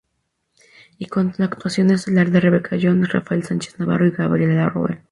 Y con la actuación estelar de Rebecca Jones, Rafael Sánchez-Navarro y Gabriela Roel.